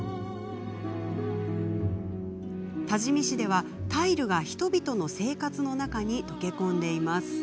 多治見市ではタイルが人々の生活の中に溶け込んでいます。